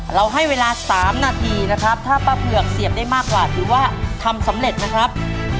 เราให้เวลา๓นาทีนะครับถ้าป้าเผือกเสียบได้มากกว่าถือว่าทำสำเร็จนะครับ